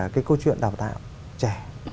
cái câu chuyện đào tạo trẻ